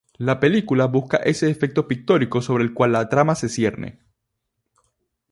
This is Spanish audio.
La película busca ese efecto pictórico sobre el cual la trama se cierne.